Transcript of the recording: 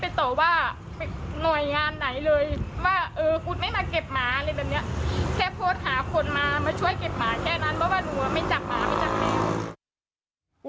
เพราะว่าหนูไม่จับหมาไม่จับแมว